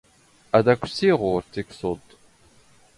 ⴰⴷ ⴰⴽⴽⵯ ⵙⵉⵖ ⵓⵔ ⵜⵉⴽⵚⵓⴹⴷ.